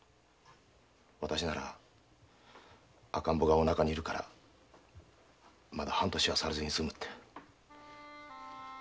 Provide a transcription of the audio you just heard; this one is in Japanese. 私なら赤ん坊がお腹にいるからまだ半年はされずに済むって。